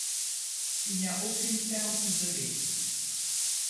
Il n'y a aucune ferme isolée.